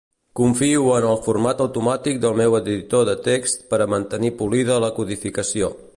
Confio en el format automàtic del meu editor de text per a mantenir polida la codificació.